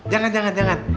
jangan jangan jangan